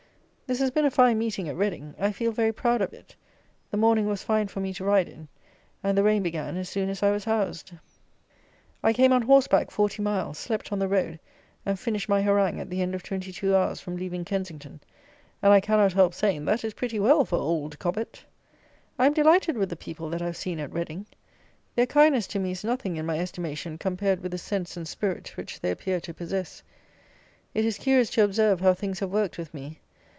This has been a fine meeting at Reading! I feel very proud of it. The morning was fine for me to ride in, and the rain began as soon as I was housed. I came on horse back 40 miles, slept on the road, and finished my harangue at the end of twenty two hours from leaving Kensington; and, I cannot help saying, that is pretty well for "Old Cobbett." I am delighted with the people that I have seen at Reading. Their kindness to me is nothing in my estimation compared with the sense and spirit which they appear to possess. It is curious to observe how things have worked with me.